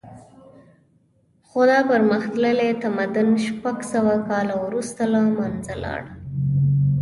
خو دا پرمختللی تمدن شپږ سوه کاله وروسته له منځه لاړ